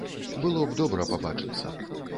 Было б добра пабачыцца.